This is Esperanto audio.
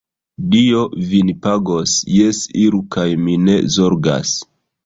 Dio vin pagos, jes, iru kaj mi ne zorgas.